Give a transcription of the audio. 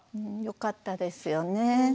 よかったですよね。